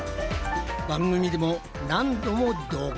番組でも何度も同行。